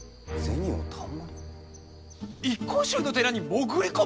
一向宗の寺に潜り込む！？